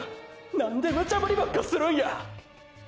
何でムチャぶりばっかするんや！